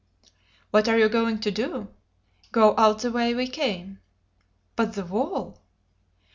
"What are you going to do?"' "Go out the way we came." "But the wall?"